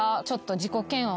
自己嫌悪